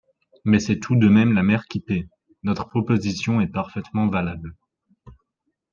Mais c’est tout de même la mère qui paie ! Notre proposition est parfaitement valable.